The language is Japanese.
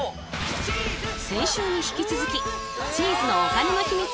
先週に引き続きチーズのお金のヒミツ